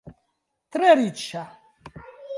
Tre riĉa.